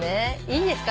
いいですか？